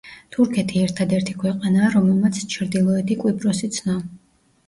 თურქეთი ერთადერთი ქვეყანაა, რომელმაც ჩრდილოეთი კვიპროსი ცნო.